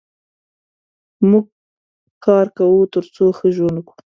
موږ کار کوو تر څو ښه ژوند وکړو.